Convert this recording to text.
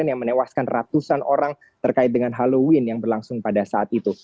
yang menewaskan ratusan orang terkait dengan halloween yang berlangsung pada saat itu